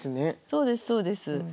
そうですそうです。